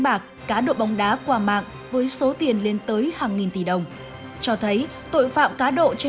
bạc cá độ bóng đá qua mạng với số tiền lên tới hàng nghìn tỷ đồng cho thấy tội phạm cá độ trên